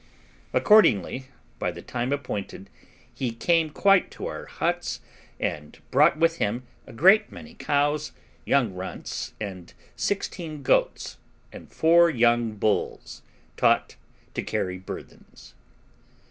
Accordingly, by the time appointed, he came quite to our huts, and brought with him a great many cows, young runts, about sixteen goats, and four young bulls, taught to carry burthens.